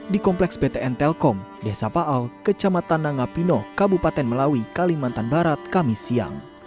di kompleks ptn telkom desa paal kecamatan nangapino kabupaten melawi kalimantan barat kamis siang